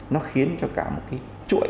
nó khiến cho cả một cái chuỗi